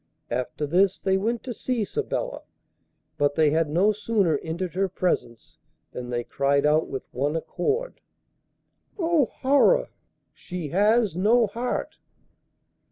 After this they went to see Sabella; but they had no sooner entered her presence than they cried out with one accord: 'Oh! horror! she has no heart!